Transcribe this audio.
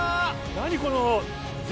何この。